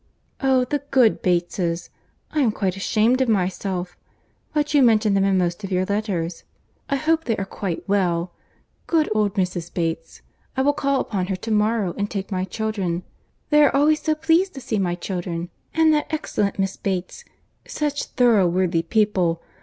"Oh! the good Bateses—I am quite ashamed of myself—but you mention them in most of your letters. I hope they are quite well. Good old Mrs. Bates—I will call upon her to morrow, and take my children.—They are always so pleased to see my children.—And that excellent Miss Bates!—such thorough worthy people!